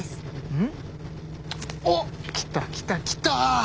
うん？おっ来た来た来た！